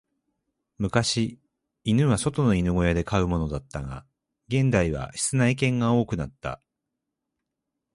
昔、犬は外の犬小屋で飼うものだったが、現代は室内犬が多くなった。